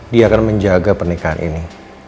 dia akan menjaga pernikahan ini